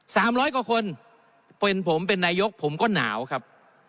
สามร้อยกว่าคนเป็นผมเป็นนายกผมก็หนาวครับ